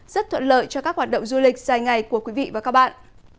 rất thuận lợi cho các hoạt động du lịch dài ngày của quý vị và các bạn